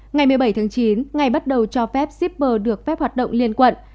ngày một mươi bảy tháng chín ngày bắt đầu cho phép shipper được phép hoạt động liên quận